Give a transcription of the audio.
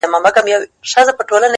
• نه د جنګ وه نه د ښکار نه د وژلو ,